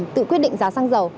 tự quyết định giá xăng dầu